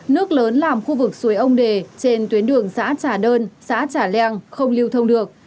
nước lớn làm khu vực suối ông đề trên tuyến đường xã trà đơn xã trà leng không lưu thông được